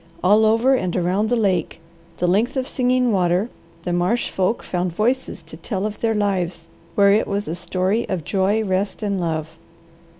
All over and around the lake, the length of Singing Water, the marsh folk found voices to tell of their lives, where it was a story of joy, rest, and love.